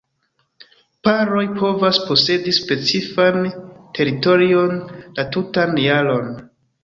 Paroj povas posedi specifan teritorion la tutan jaron.